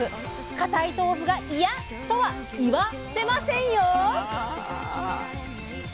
固い豆腐が「いや」とは「いわ」せませんよ。